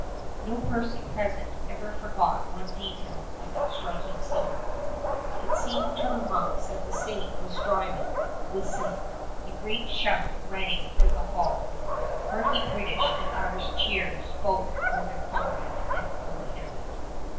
93 No person present ever forgot one detail of that striking scene. It seemed to the monks that saint was striving with saint. A great shout rang through the hall, hearty British and Irish cheers both for their comrade and for the Abbot.